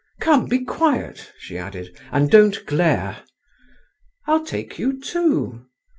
Come, be quiet," she added, "and don't glare. I'll take you too.